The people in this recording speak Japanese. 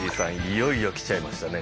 いよいよきちゃいましたね